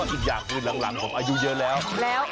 อีกอย่างคือหลังผมอายุเยอะแล้ว